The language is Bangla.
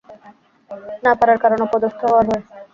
না পারার কারণ অপদস্থ হওয়ার ভয়।